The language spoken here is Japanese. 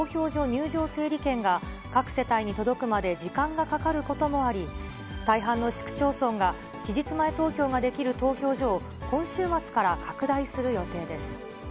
入場整理券が、各世帯に届くまで時間がかかることもあり、大半の市区町村が、期日前投票ができる投票所を、今週末から拡大する予定です。